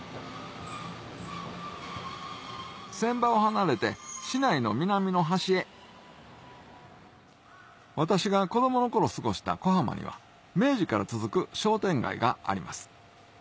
船場を離れて市内の南の端へ私が子供の頃過ごした粉浜には明治から続く商店街があります